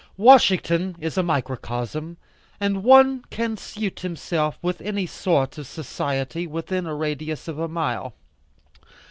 Washington is a microcosm, and one can suit himself with any sort of society within a radius of a mile.